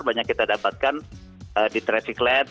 banyak kita dapatkan di traffic light